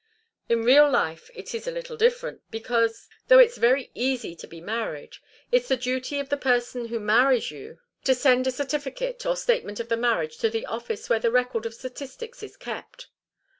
In real life, it is a little different, because, though it's very easy to be married, it's the duty of the person who marries you to send a certificate or statement of the marriage to the office where the record of statistics is kept."